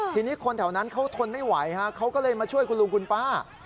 ทีนี้คนแถวนั้นเขาทนไม่ไหวฮะเขาก็เลยมาช่วยคุณลุงคุณป้า